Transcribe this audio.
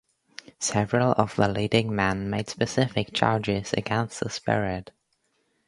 Several of the leading men made specific charges against the spirit.